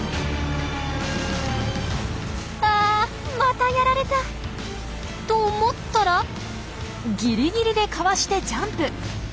あまたやられた！と思ったらギリギリでかわしてジャンプ！